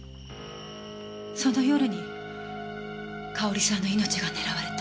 その夜に佳保里さんの命が狙われた。